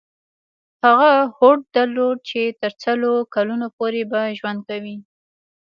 هغه هوډ درلود چې تر سلو کلونو پورې به ژوند کوي.